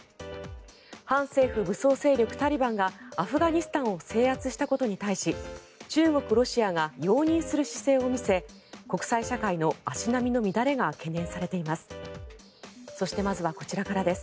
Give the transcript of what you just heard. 反政府武装勢力タリバンがアフガニスタンを制圧したことに対し中国、ロシアが容認する姿勢を見せ国際社会の足並みの乱れが懸念されています。